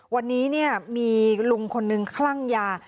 วันนี้เนี่ยมีลุงคนหนึ่งขรั่งยา